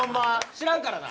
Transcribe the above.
知らんからな。